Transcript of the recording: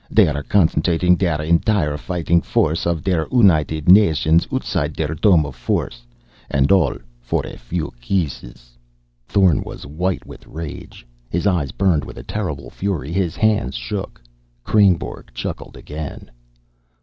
They are concentrating der entire fighting force of der United Nations outside der dome of force. And all for a few kisses!" Thorn was white with rage. His eyes burned with a terrible fury. His hands shook. Kreynborg chuckled again.